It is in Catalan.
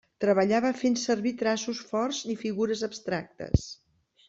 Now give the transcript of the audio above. Treballava fent servir traços forts i figures abstractes.